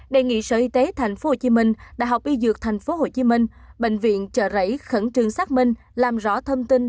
đề nghị sở y tế tp hcm đại học y dược tp hcm bệnh viện trợ rấy khẩn trường xác minh làm rõ thông tin